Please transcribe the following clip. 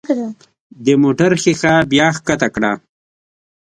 د موټر ښيښه بیا ښکته کړه.